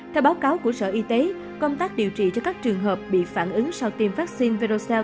theo báo cáo của sở y tế công tác điều trị cho các trường hợp bị phản ứng sau tiêm vaccine